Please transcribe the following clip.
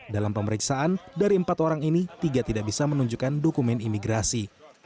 dalam pemeriksaan dari empat orang ini tiga tidak bisa menunjukkan dokumen imigrasi